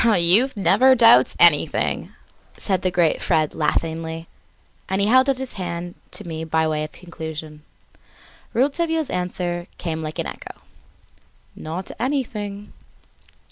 "Youth never doubts anything," said the great Fred laughingly, and held out his hand to me by way of conclusion. Rouletabille's answer came like an echo: "Not anything!"